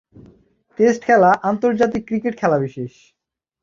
Test খেলা আন্তর্জাতিক cricket খেলাবিশেষ।